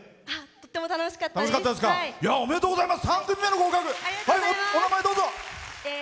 とっても楽しかったです。